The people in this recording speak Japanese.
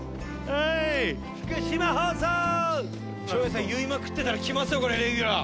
照英さん言いまくってたらきますよこれレギュラー。